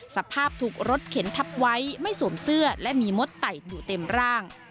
สภาพถูกรถเข็นทับไว้ไม่สวมเสื้อและมีมดไต่อยู่เต็มร่าง